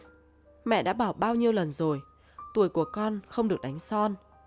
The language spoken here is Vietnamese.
chị đã bảo bao nhiêu lần rồi tuổi của con không được đánh son